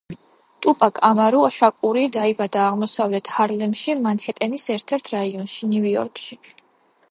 ტუპაკ ამარუ შაკური დაიბადა აღმოსავლეთ ჰარლემში, მანჰეტენის ერთ-ერთ რაიონში, ნიუ-იორკში.